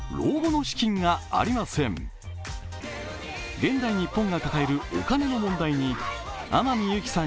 現代日本が抱えるお金の問題に、天海祐希さん